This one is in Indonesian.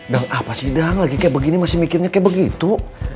apa sidang lagi kayak begini masih mikirnya kayak begitu